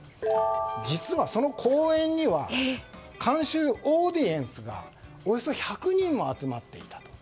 実は、その公園には観衆、オーディエンスがおよそ１００人も集まっていたと。